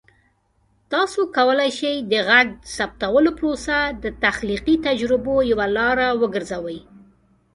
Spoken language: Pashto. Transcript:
تاسو کولی شئ د غږ ثبتولو پروسه د تخلیقي تجربو یوه لاره وګرځوئ.